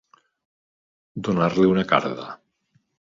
Donar-li una carda.